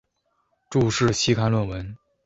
注释期刊论文